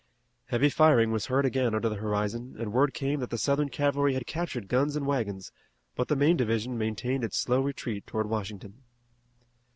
Heavy firing was heard again under the horizon and word came that the Southern cavalry had captured guns and wagons, but the main division maintained its slow retreat toward Washington.